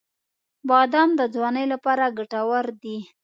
• بادام د ځوانۍ لپاره ګټور دی.